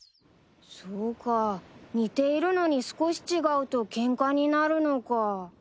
そうか似ているのに少し違うとケンカになるのか。